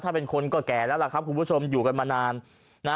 ถ้าเป็นคนก็แก่แล้วล่ะครับคุณผู้ชมอยู่กันมานานนะ